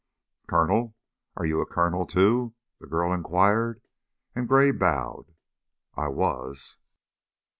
"Colonel? Are you a colonel, too?" the girl inquired, and Gray bowed. "I was."